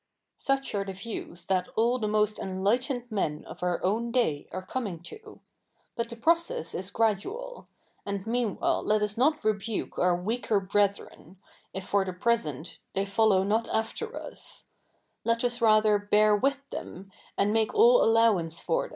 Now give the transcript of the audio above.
' Such are the views that all the most e?i lightened me?i of our own day are comi?ig to. But the process is gradual ; and meanwhile let us not rebuke our weaker brethren, if for the present " they follow not after us ;" let us rather bear with them, and make all alloivance for the?